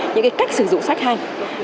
những cái cách sử dụng sách hay